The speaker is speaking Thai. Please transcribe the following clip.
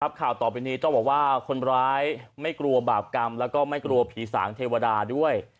ข่าวต่อไปนี้ต้องบอกว่าคนร้ายไม่กลัวบาปกรรมแล้วก็ไม่กลัวผีสางเทวดาด้วย